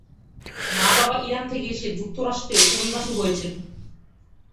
তার মা-বাবা ইরান থেকে এসে যুক্তরাষ্ট্রে অভিবাসী হয়েছেন।